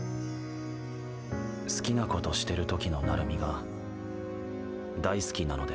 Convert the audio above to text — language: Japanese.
好きな事してる時の成海が大好きなので。